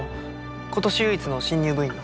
今年唯一の新入部員の？